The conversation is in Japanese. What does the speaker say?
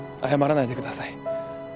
謝らないでください。